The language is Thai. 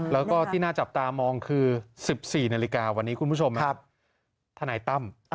แล้วก็ที่น่าจับตามองคือ๑๔นาฬิกาวันนี้คุณผู้ชมทนายตั้ม